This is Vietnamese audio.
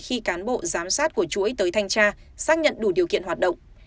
khi cán bộ giám sát của chuỗi tới thanh tra xác nhận đủ điều kiện hoạt động